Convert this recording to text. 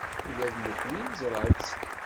Ula d nekkni neẓra-tt.